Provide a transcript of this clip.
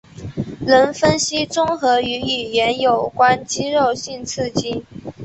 能分析综合与语言有关肌肉性刺激。